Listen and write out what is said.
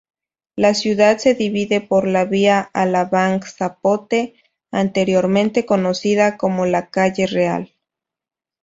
La ciudad se divide por la vía Alabang-Zapote, anteriormente conocida como la calle Real.